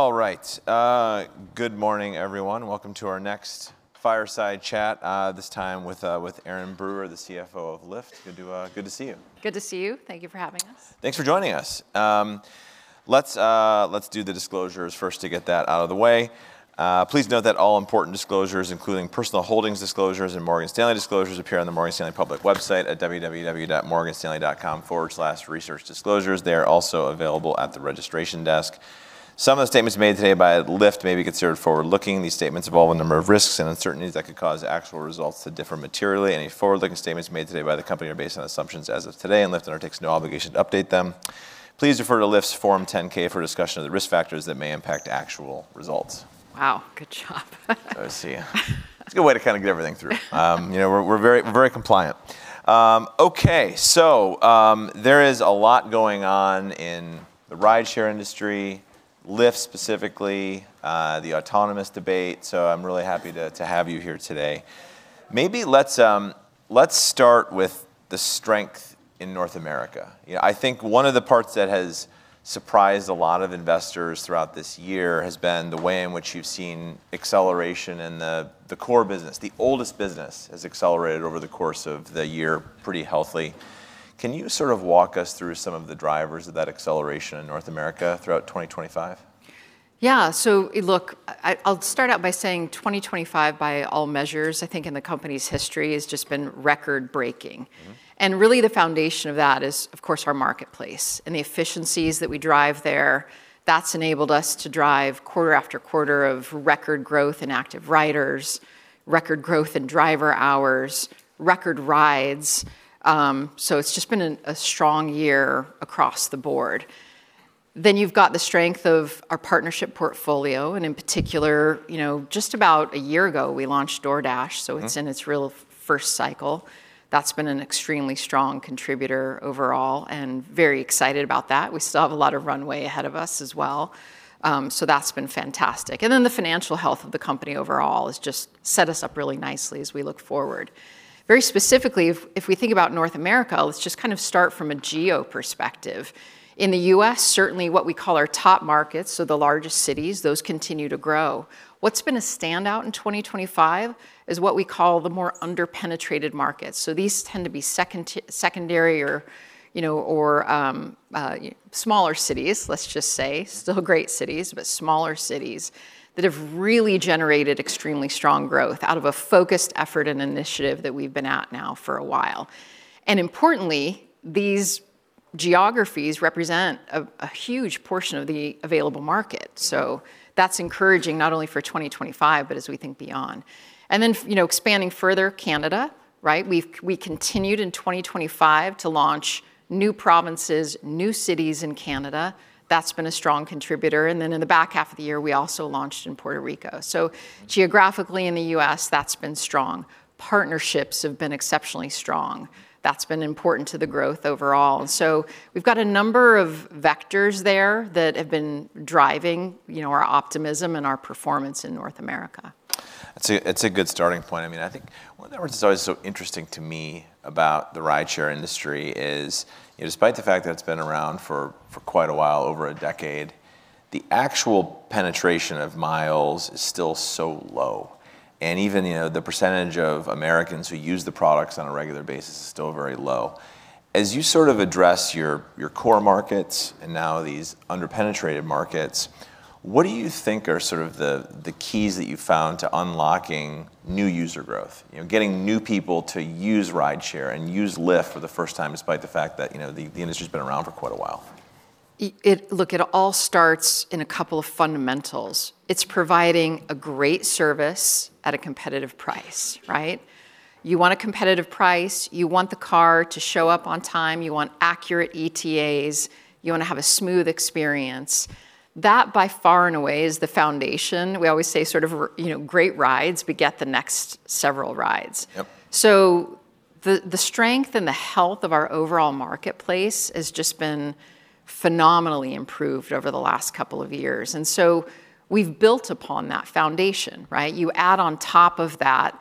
All right. Good morning, everyone. Welcome to our next fireside Chat, this time with Erin Brewer, the CFO of Lyft. Good to see you. Good to see you. Thank you for having us. Thanks for joining us. Let's do the disclosures first to get that out of the way. Please note that all important disclosures, including personal holdings disclosures and Morgan Stanley disclosures, appear on the Morgan Stanley public website at www.morganstanley.com/researchdisclosures. They are also available at the registration desk. Some of the statements made today by Lyft may be considered forward-looking. These statements involve a number of risks and uncertainties that could cause actual results to differ materially. Any forward-looking statements made today by the company are based on assumptions as of today, and Lyft undertakes no obligation to update them. Please refer to Lyft's Form 10-K for discussion of the risk factors that may impact actual results. Wow. Good job. I see. That's a good way to kind of get everything through. We're very compliant. Okay, so there is a lot going on in the rideshare industry, Lyft specifically, the autonomous debate, so I'm really happy to have you here today. Maybe let's start with the strength in North America. I think one of the parts that has surprised a lot of investors throughout this year has been the way in which you've seen acceleration in the core business. The oldest business has accelerated over the course of the year pretty healthily. Can you sort of walk us through some of the drivers of that acceleration in North America throughout 2025? Yeah. So look, I'll start out by saying 2025, by all measures, I think in the company's history, has just been record-breaking. And really, the foundation of that is, of course, our marketplace and the efficiencies that we drive there. That's enabled us to drive quarter after quarter of record growth in active riders, record growth in driver hours, record rides. So it's just been a strong year across the board. Then you've got the strength of our partnership portfolio and in particular, just about a year ago, we launched DoorDash, so it's in its real first cycle. That's been an extremely strong contributor overall, and very excited about that. We still have a lot of runway ahead of us as well. So that's been fantastic. And then the financial health of the company overall has just set us up really nicely as we look forward. Very specifically, if we think about North America, let's just kind of start from a geo perspective. In the U.S., certainly what we call our top markets, so the largest cities, those continue to grow. What's been a standout in 2025 is what we call the more under-penetrated markets. So these tend to be secondary or smaller cities, let's just say, still great cities, but smaller cities that have really generated extremely strong growth out of a focused effort and initiative that we've been at now for a while. And importantly, these geographies represent a huge portion of the available market. So that's encouraging not only for 2025, but as we think beyond. And then expanding further, Canada, we continued in 2025 to launch new provinces, new cities in Canada. That's been a strong contributor and then in the back half of the year, we also launched in Puerto Rico. So geographically in the U.S., that's been strong. Partnerships have been exceptionally strong. That's been important to the growth overall. So we've got a number of vectors there that have been driving our optimism and our performance in North America. That's a good starting point. I mean, I think one of the things that's always so interesting to me about the rideshare industry is, despite the fact that it's been around for quite a while, over a decade, the actual penetration of miles is still so low, and even the percentage of Americans who use the products on a regular basis is still very low. As you sort of address your core markets and now these under-penetrated markets, what do you think are sort of the keys that you've found to unlocking new user growth, getting new people to use rideshare and use Lyft for the first time, despite the fact that the industry's been around for quite a while? Look, it all starts in a couple of fundamentals. It's providing a great service at a competitive price. You want a competitive price, you want the car to show up on time, you want accurate ETAs, you want to have a smooth experience, that, by far and away, is the foundation. We always say sort of great rides, but get the next several rides. So the strength and the health of our overall marketplace has just been phenomenally improved over the last couple of years. And so we've built upon that foundation. You add on top of that,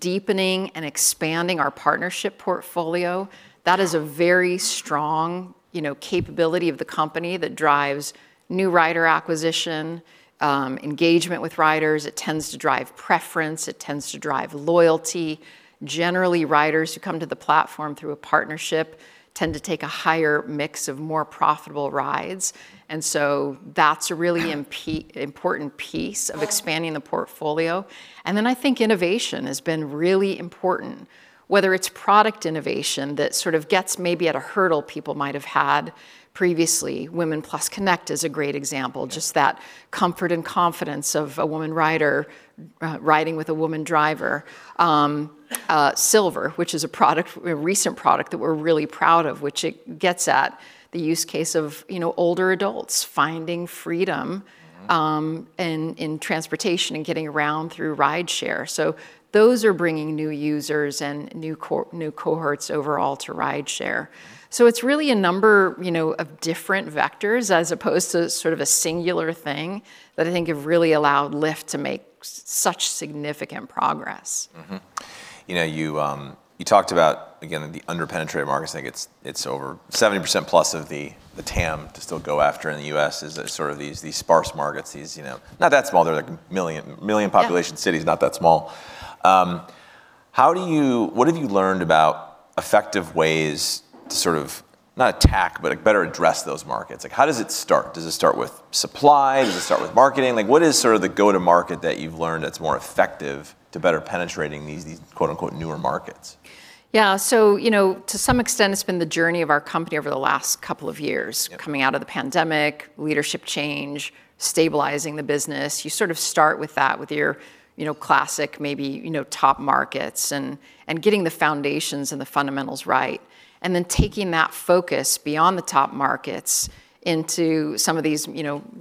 deepening and expanding our partnership portfolio. That is a very strong capability of the company that drives new rider acquisition, engagement with riders. It tends to drive preference. It tends to drive loyalty. Generally, riders who come to the platform through a partnership tend to take a higher mix of more profitable rides. And so that's a really important piece of expanding the portfolio. And then I think innovation has been really important, whether it's product innovation that sort of gets maybe at a hurdle people might have had previously. Women+ Connect is a great example, just that comfort and confidence of a woman rider riding with a woman driver. Silver, which is a recent product that we're really proud of, which it gets at the use case of older adults finding freedom in transportation and getting around through rideshare. So those are bringing new users and new cohorts overall to rideshare. So it's really a number of different vectors as opposed to sort of a singular thing that I think have really allowed Lyft to make such significant progress. You talked about, again, the under-penetrated markets. I think it's over 70%+ of the TAM to still go after in the U.S. is sort of these sparse markets, not that small. They're like million population cities, not that small. What have you learned about effective ways to sort of not attack, but better address those markets? How does it start? Does it start with supply? Does it start with marketing? What is sort of the go-to-market that you've learned that's more effective to better penetrate these "newer markets"? Yeah. So to some extent, it's been the journey of our company over the last couple of years, coming out of the pandemic, leadership change, stabilizing the business, you sort of start with that, with your classic maybe top markets and getting the foundations and the fundamentals right, and then taking that focus beyond the top markets into some of these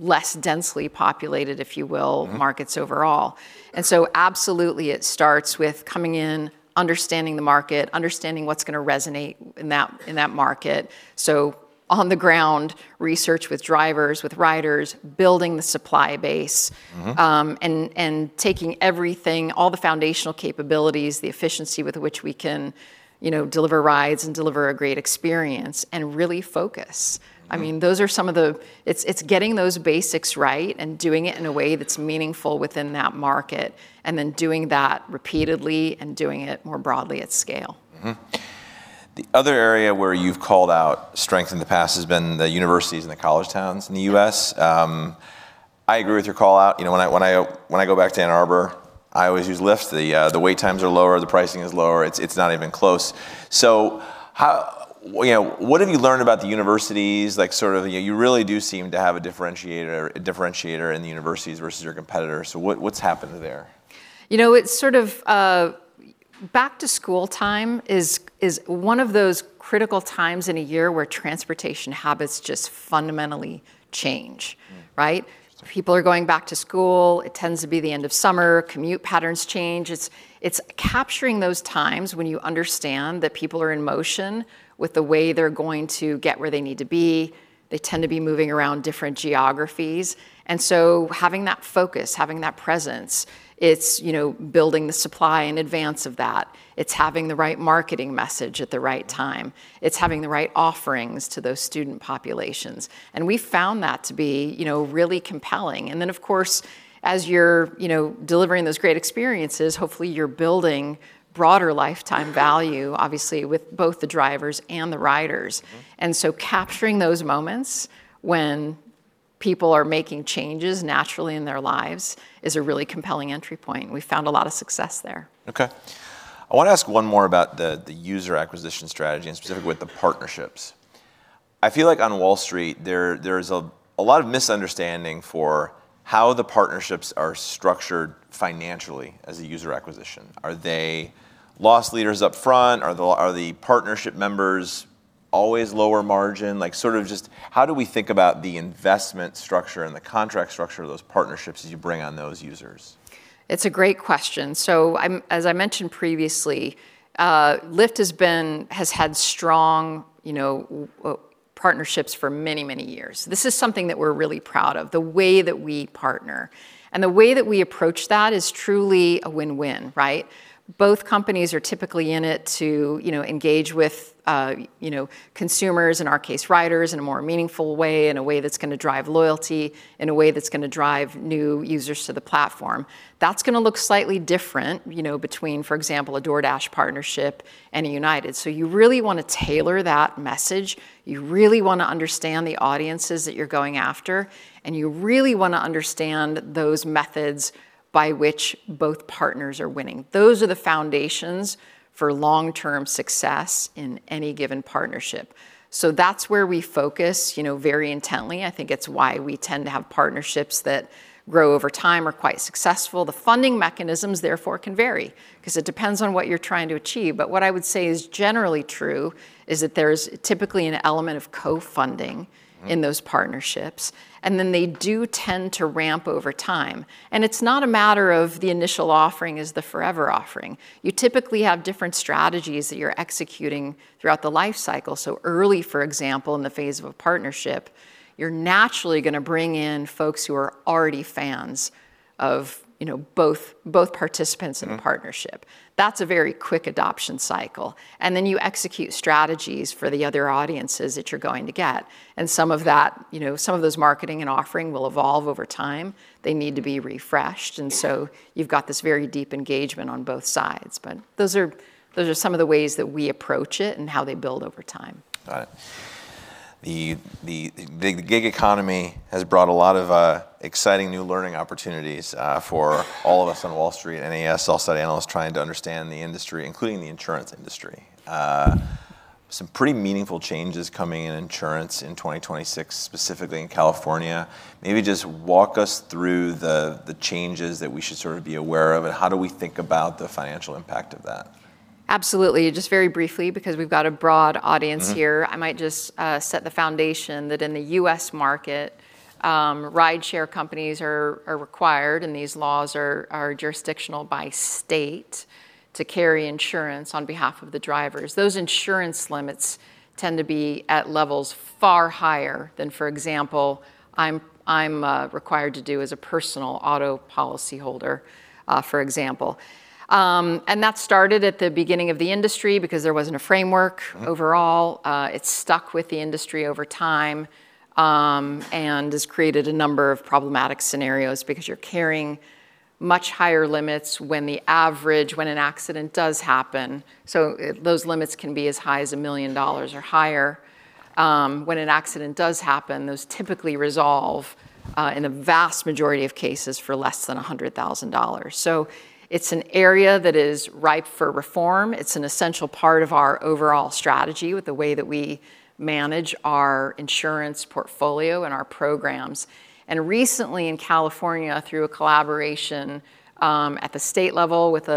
less densely populated, if you will, markets overall. And so absolutely, it starts with coming in, understanding the market, understanding what's going to resonate in that market. So on the ground, research with drivers, with riders, building the supply base, and taking everything, all the foundational capabilities, the efficiency with which we can deliver rides and deliver a great experience, and really focus. I mean, those are some of the. It's getting those basics right and doing it in a way that's meaningful within that market, and then doing that repeatedly and doing it more broadly at scale. The other area where you've called out strength in the past has been the universities and the college towns in the U.S. I agree with your call out. When I go back to Ann Arbor, I always use Lyft. The wait times are lower. The pricing is lower. It's not even close. So what have you learned about the universities? You really do seem to have a differentiator in the universities versus your competitors. So what's happened there? You know. It's sort of back-to-school time is one of those critical times in a year where transportation habits just fundamentally change. People are going back to school, it tends to be the end of summer, commute patterns change. It's capturing those times when you understand that people are in motion with the way they're going to get where they need to be, they tend to be moving around different geographies. And so having that focus, having that presence, it's building the supply in advance of that. It's having the right marketing message at the right time. It's having the right offerings to those student populations. And we found that to be really compelling. And then, of course, as you're delivering those great experiences, hopefully, you're building broader lifetime value, obviously, with both the drivers and the riders. And so capturing those moments when people are making changes naturally in their lives is a really compelling entry point. We found a lot of success there. Okay I want to ask one more about the user acquisition strategy and specifically with the partnerships. I feel like on Wall Street, there is a lot of misunderstanding for how the partnerships are structured financially as a user acquisition. Are they loss leaders up front? Are the partnership members always lower margin? Sort of just how do we think about the investment structure and the contract structure of those partnerships as you bring on those users? It's a great question. So as I mentioned previously, Lyft has had strong partnerships for many, many years. This is something that we're really proud of, the way that we partner. And the way that we approach that is truly a win-win. Both companies are typically in it to engage with consumers, in our case, riders, in a more meaningful way, in a way that's going to drive loyalty, in a way that's going to drive new users to the platform. That's going to look slightly different between, for example, a DoorDash partnership and a United. So you really want to tailor that message. You really want to understand the audiences that you're going after. And you really want to understand those methods by which both partners are winning. Those are the foundations for long-term success in any given partnership. So that's where we focus very intently. I think it's why we tend to have partnerships that grow over time or are quite successful. The funding mechanisms, therefore, can vary because it depends on what you're trying to achieve. But what I would say is generally true is that there's typically an element of co-funding in those partnerships. And then they do tend to ramp over time. And it's not a matter of the initial offering is the forever offering. You typically have different strategies that you're executing throughout the life cycle. So early, for example, in the phase of a partnership, you're naturally going to bring in folks who are already fans of both participants in the partnership. That's a very quick adoption cycle and then you execute strategies for the other audiences that you're going to get. And some of that, some of those marketing and offering will evolve over time. They need to be refreshed, and so you've got this very deep engagement on both sides, but those are some of the ways that we approach it and how they build over time. Got it. The gig economy has brought a lot of exciting new learning opportunities for all of us on Wall Street and sell-side analysts trying to understand the industry, including the insurance industry. Some pretty meaningful changes coming in insurance in 2026, specifically in California. Maybe just walk us through the changes that we should sort of be aware of, and how do we think about the financial impact of that? Absolutely. Just very briefly, because we've got a broad audience here, I might just set the foundation that in the U.S. market, rideshare companies are required, and these laws are jurisdictional by state to carry insurance on behalf of the drivers. Those insurance limits tend to be at levels far higher than, for example, I'm required to do as a personal auto policyholder, for example. And that started at the beginning of the industry because there wasn't a framework overall. It's stuck with the industry over time and has created a number of problematic scenarios because you're carrying much higher limits when an accident does happen. So those limits can be as high as $1 million or higher. When an accident does happen, those typically resolve in the vast majority of cases for less than $100,000. So it's an area that is ripe for reform. It's an essential part of our overall strategy with the way that we manage our insurance portfolio and our programs. And recently in California, through a collaboration at the state level with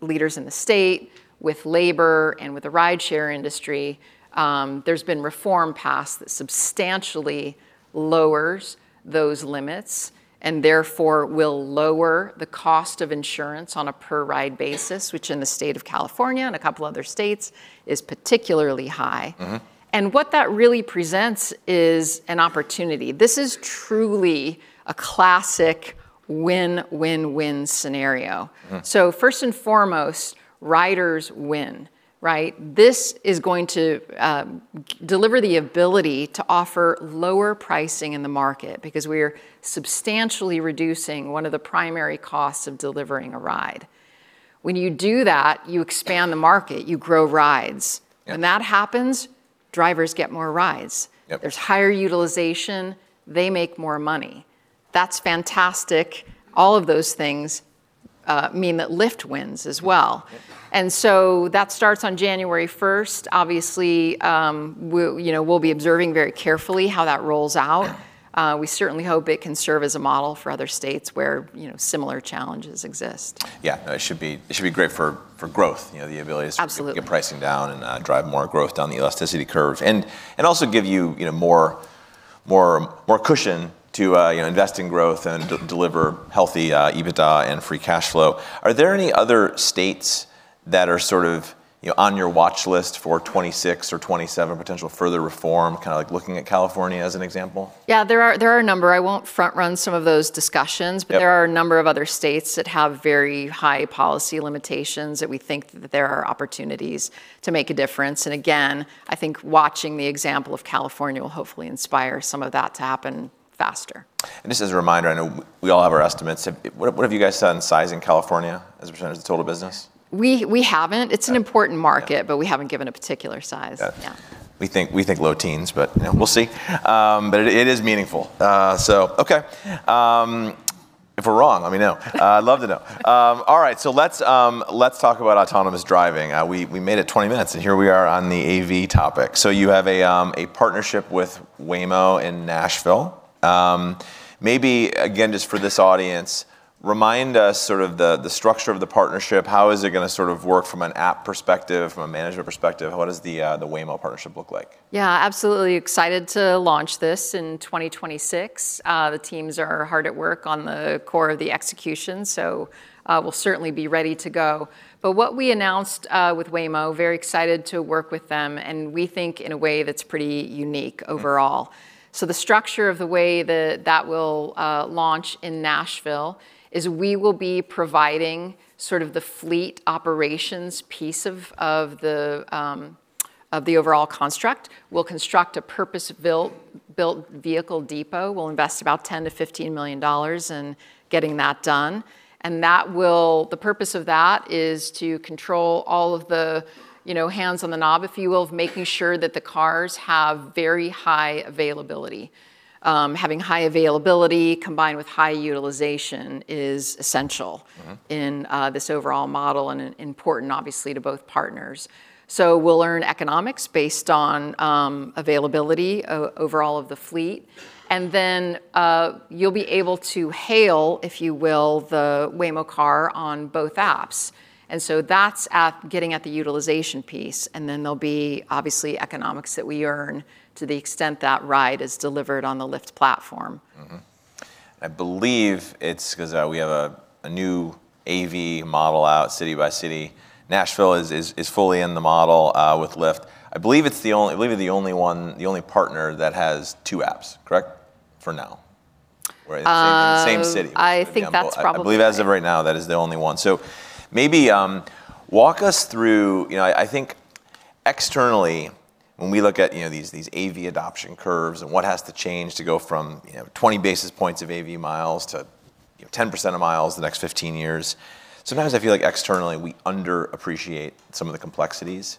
leaders in the state, with labor, and with the rideshare industry, there's been reform passed that substantially lowers those limits and therefore will lower the cost of insurance on a per-ride basis, which in the state of California and a couple of other states is particularly high. And what that really presents is an opportunity. This is truly a classic win-win-win scenario. So first and foremost, riders win. This is going to deliver the ability to offer lower pricing in the market because we are substantially reducing one of the primary costs of delivering a ride. When you do that, you expand the market. You grow rides. When that happens, drivers get more rides. There's higher utilization. They make more money. That's fantastic. All of those things mean that Lyft wins as well. And so that starts on January 1st. Obviously, we'll be observing very carefully how that rolls out. We certainly hope it can serve as a model for other states where similar challenges exist. Yeah. It should be great for growth, the ability to get pricing down and drive more growth down the elasticity curve and also give you more cushion to invest in growth and deliver healthy EBITDA and free cash flow. Are there any other states that are sort of on your watch list for 2026 or 2027 potential further reform, kind of like looking at California as an example? Yeah. There are a number. I won't front-run some of those discussions, but there are a number of other states that have very high policy limitations that we think that there are opportunities to make a difference, and again, I think watching the example of California will hopefully inspire some of that to happen faster. And just as a reminder, I know we all have our estimates. What have you guys done sizing California as a percentage of the total business? We haven't. It's an important market, but we haven't given a particular size. We think low teens, but we'll see but it is meaningful. If we're wrong, let me know. I'd love to know. All right. So let's talk about autonomous driving. We made it 20 minutes, and here we are on the AV topic. So you have a partnership with Waymo in Nashville. Maybe, again, just for this audience, remind us sort of the structure of the partnership. How is it going to sort of work from an app perspective, from a management perspective? What does the Waymo partnership look like? Yeah. Absolutely excited to launch this in 2026. The teams are hard at work on the core of the execution, wo we'll certainly be ready to go. But what we announced with Waymo, very excited to work with them, and we think in a way that's pretty unique overall. So the structure of the way that that will launch in Nashville is we will be providing sort of the fleet operations piece of the overall construct. We'll construct a purpose-built vehicle depot. We'll invest about $10 million-$15 million in getting that done. And the purpose of that is to control all of the hands on the knob, if you will, of making sure that the cars have very high availability. Having high availability combined with high utilization is essential in this overall model and important, obviously, to both partners. So we'll learn economics based on availability overall of the fleet and then you'll be able to hail, if you will, the Waymo car on both apps. And so that's getting at the utilization piece. And then there'll be, obviously, economics that we earn to the extent that ride is delivered on the Lyft platform. I believe it's because we have a new AV model out, city by city. Nashville is fully in the model with Lyft. I believe it's the only partner that has two apps, correct? For now, or in the same city. I think that's probably. I believe as of right now, that is the only one. So maybe walk us through, I think, externally, when we look at these AV adoption curves and what has to change to go from 20 basis points of AV miles to 10% of miles the next 15 years. Sometimes I feel like externally we underappreciate some of the complexities.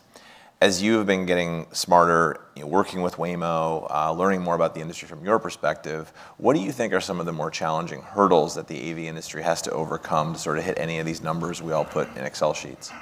As you have been getting smarter, working with Waymo, learning more about the industry from your perspective, what do you think are some of the more challenging hurdles that the AV industry has to overcome to sort of hit any of these numbers we all put in Excel sheets?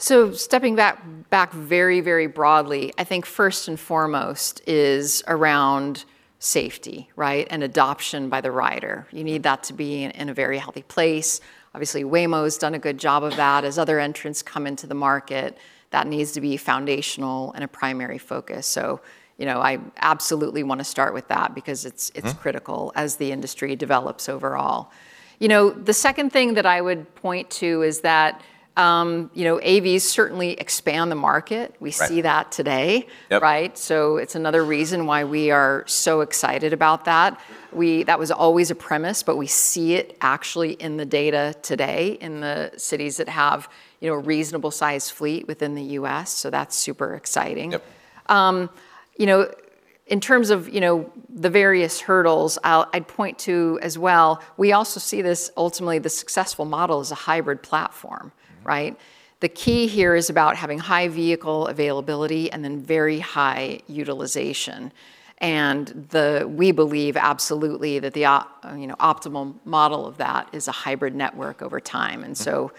So stepping back very, very broadly, I think first and foremost is around safety and adoption by the rider. You need that to be in a very healthy place. Obviously, Waymo has done a good job of that. As other entrants come into the market, that needs to be foundational and a primary focus. So I absolutely want to start with that because it's critical as the industry develops overall. The second thing that I would point to is that AVs certainly expand the market. We see that today, so it's another reason why we are so excited about that. That was always a premise, but we see it actually in the data today in the cities that have a reasonable size fleet within the U.S. So that's super exciting. In terms of the various hurdles, I'd point to as well, we also see this ultimately, the successful model is a hybrid platform. The key here is about having high vehicle availability and then very high utilization, and we believe absolutely that the optimal model of that is a hybrid network over time, and so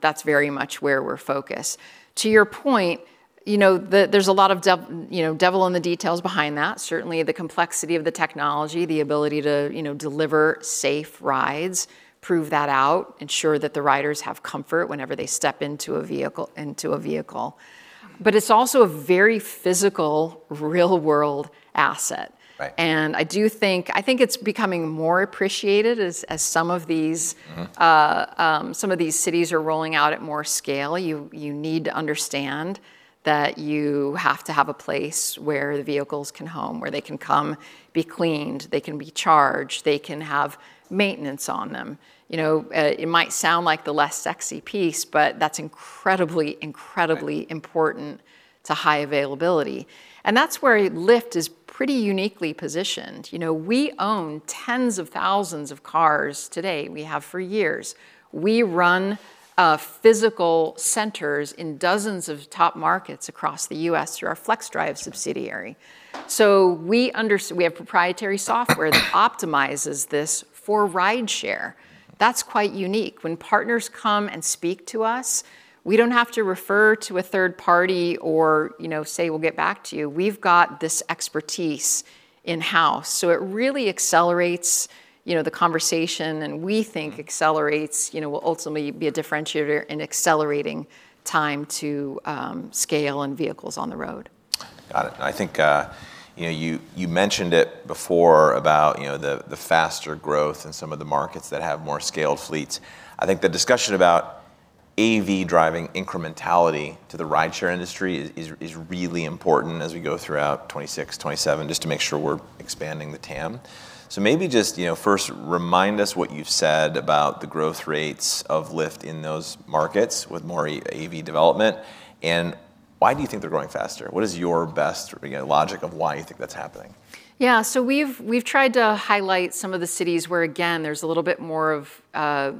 that's very much where we're focused. To your point, there's a lot of devil in the details behind that, certainly the complexity of the technology, the ability to deliver safe rides, prove that out, ensure that the riders have comfort whenever they step into a vehicle, but it's also a very physical, real-world asset,. I think it's becoming more appreciated as some of these cities are rolling out at more scale. You need to understand that you have to have a place where the vehicles can home, where they can come be cleaned, they can be charged, they can have maintenance on them. It might sound like the less sexy piece, but that's incredibly, incredibly important to high availability, and that's where Lyft is pretty uniquely positioned. We own tens of thousands of cars today. We have for years. We run physical centers in dozens of top markets across the U.S. through our Flexdrive subsidiary. So we have proprietary software that optimizes this for rideshare. That's quite unique. When partners come and speak to us, we don't have to refer to a third party or say, we'll get back to you. We've got this expertise in-house, so it really accelerates the conversation and we think accelerates will ultimately be a differentiator in accelerating time to scale and vehicles on the road. I think you mentioned it before about the faster growth and some of the markets that have more scaled fleets. I think the discussion about AV driving incrementality to the rideshare industry is really important as we go throughout 2026, 2027, just to make sure we're expanding the TAM. So maybe just first remind us what you've said about the growth rates of Lyft in those markets with more AV development. And why do you think they're growing faster? What is your best logic of why you think that's happening? Yeah. So we've tried to highlight some of the cities where, again, there's a little bit more of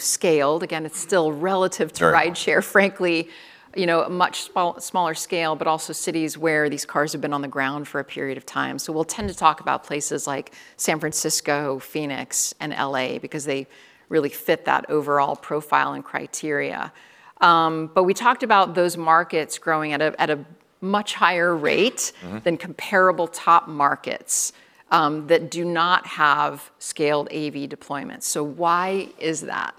scaled. Again, it's still relative to rideshare, frankly, a much smaller scale, but also cities where these cars have been on the ground for a period of time. So we'll tend to talk about places like San Francisco, Phoenix, and L.A. because they really fit that overall profile and criteria. But we talked about those markets growing at a much higher rate than comparable top markets that do not have scaled AV deployments. So why is that?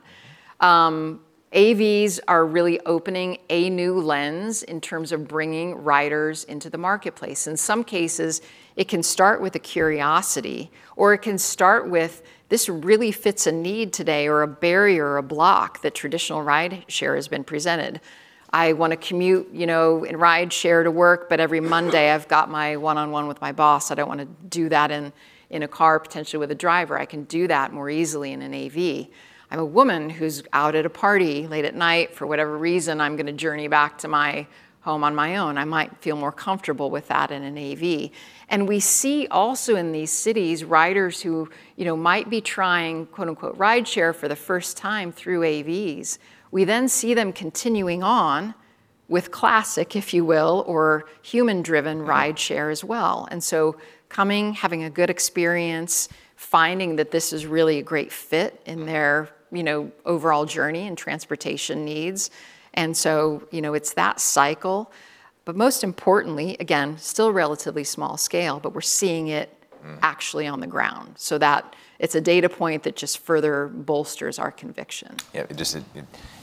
AVs are really opening a new lens in terms of bringing riders into the marketplace. In some cases, it can start with a curiosity, or it can start with this really fits a need today or a barrier or a block that traditional rideshare has been presented. I want to commute in rideshare to work, but every Monday I've got my one-on-one with my boss. I don't want to do that in a car, potentially with a driver. I can do that more easily in an AV. I'm a woman who's out at a party late at night, for whatever reason, I'm going to journey back to my home on my own. I might feel more comfortable with that in an AV. We see also in these cities riders who might be trying "rideshare" for the first time through AVs. We then see them continuing on with classic, if you will, or human-driven rideshare as well. And so coming, having a good experience, finding that this is really a great fit in their overall journey and transportation needs, and so it's that cycle. But most importantly, again, still relatively small scale, but we're seeing it actually on the ground. So that it's a data point that just further bolsters our conviction. Yeah.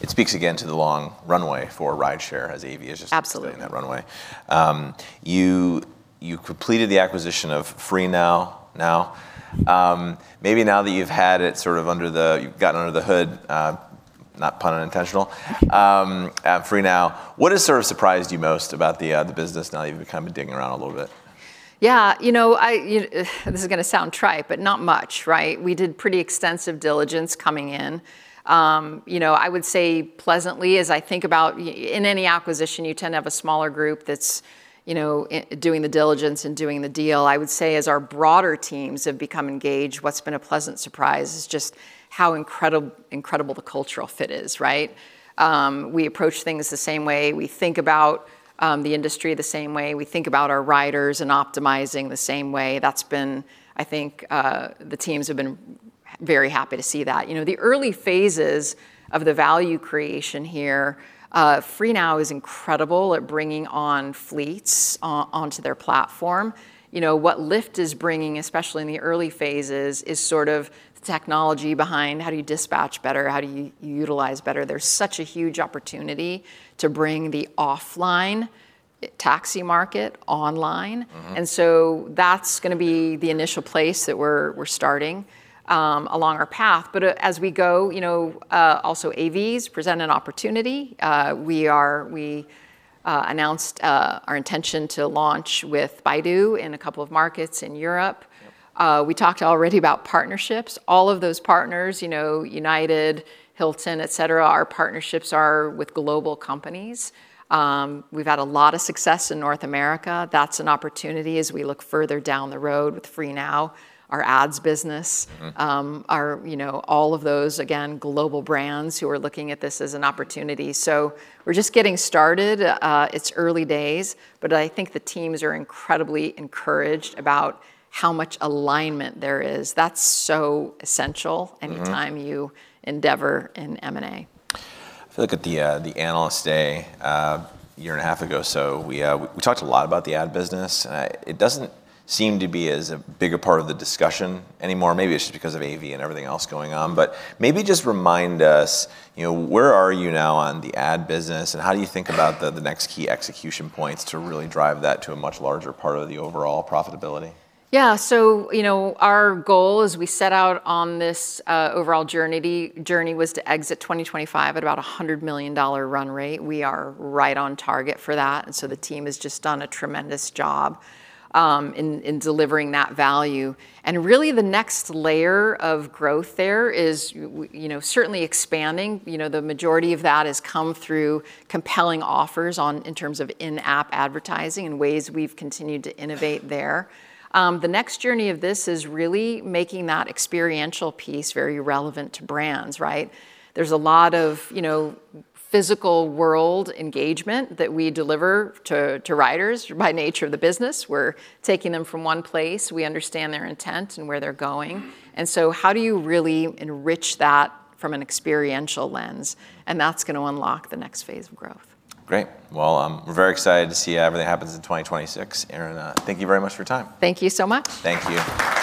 It speaks again to the long runway for rideshare as AV is just in that runway. Absolutely. You completed the acquisition of Freenow. Maybe now that you've had it sort of under the hood, you've gotten under the hood, no pun intended, Freenow. What has sort of surprised you most about the business now that you've kind of been digging around a little bit? Yeah. This is going to sound trite, but not much. We did pretty extensive diligence coming in. I would say pleasantly, as I think about in any acquisition, you tend to have a smaller group that's doing the diligence and doing the deal. I would say as our broader teams have become engaged, what's been a pleasant surprise is just how incredible the cultural fit is. We approach things the same way. We think about the industry the same way. We think about our riders and optimizing the same way. That's been, I think the teams have been very happy to see that. The early phases of the value creation here, Freenow is incredible at bringing on fleets onto their platform. What Lyft is bringing, especially in the early phases, is sort of the technology behind how do you dispatch better, how do you utilize better. There's such a huge opportunity to bring the offline taxi market online, and so that's going to be the initial place that we're starting along our path. As we go, also AVs present an opportunity, we announced our intention to launch with Baidu in a couple of markets in Europe. We talked already about partnerships. All of those partners, United, Hilton, etc., our partnerships are with global companies. We've had a lot of success in North America. That's an opportunity as we look further down the road with Freenow our ads business, all of those, again, global brands who are looking at this as an opportunity. So we're just getting started. It's early days, but I think the teams are incredibly encouraged about how much alignment there is. That's so essential anytime you endeavor in M&A. If you look at the analyst day a year and a half ago or so, we talked a lot about the ad business. It doesn't seem to be as a bigger part of the discussion anymore. Maybe it's just because of AV and everything else going on. But maybe just remind us, where are you now on the ad business, and how do you think about the next key execution points to really drive that to a much larger part of the overall profitability? Yeah. So our goal as we set out on this overall journey was to exit 2025 at about a $100 million run rate. We are right on target for that and so the team has just done a tremendous job in delivering that value. And really the next layer of growth there is certainly expanding. The majority of that has come through compelling offers in terms of in-app advertising and ways we've continued to innovate there. The next journey of this is really making that experiential piece very relevant to brands. There's a lot of physical world engagement that we deliver to riders by nature of the business. We're taking them from one place. We understand their intent and where they're going. And so how do you really enrich that from an experiential lens? And that's going to unlock the next phase of growth. Great. Well, we're very excited to see everything that happens in 2026. Erin, thank you very much for your time. Thank you so much. Thank you.